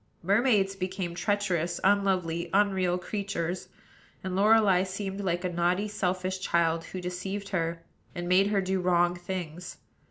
Mermaids became treacherous, unlovely, unreal creatures; and Lorelei seemed like a naughty, selfish child, who deceived her, and made her do wrong things.